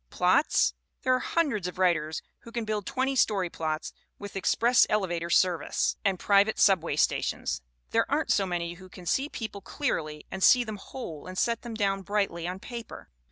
Plots? There are hundreds of writers who can build twenty story plots with express elevator service 282 THE WOMEN WHO MAKE OUR NOVELS and private subway stations. There aren't so many who can see people clearly and see them whole and set them down brightly on paper.